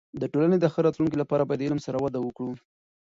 د ټولنې د ښه راتلونکي لپاره باید د علم سره وده وکړو.